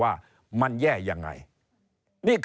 เริ่มตั้งแต่หาเสียงสมัครลง